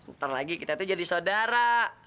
sebentar lagi kita tuh jadi saudara